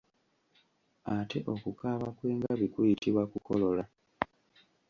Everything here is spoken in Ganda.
Ate okukaaba kw'engabi kuyitibwa kukolola.